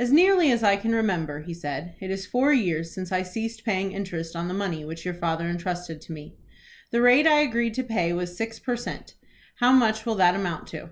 "As nearly as I can remember," he said, "it is four years since I ceased paying interest on the money which your father entrusted to me. The rate I agreed to pay was six per cent. How much will that amount to?"